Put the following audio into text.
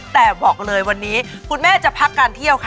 แต่บอกเลยวันนี้คุณแม่จะพักการเที่ยวค่ะ